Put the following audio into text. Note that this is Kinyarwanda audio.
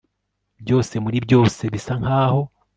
byose muri byose, bisa nkaho